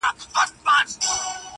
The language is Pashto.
چي توري څڼي پرې راوځړوې.